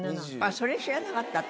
それ知らなかった私。